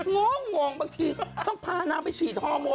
งงบางทีต้องพานางไปฉีดฮอร์โมน